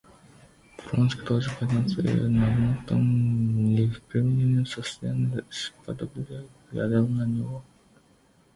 Вронский тоже поднялся и в нагнутом, невыпрямленном состоянии, исподлобья глядел на него.